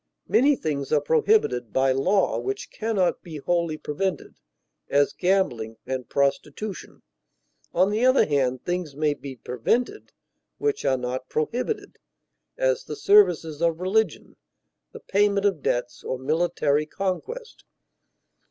Many things are prohibited by law which can not be wholly prevented, as gambling and prostitution; on the other hand, things may be prevented which are not prohibited, as the services of religion, the payment of debts, or military conquest.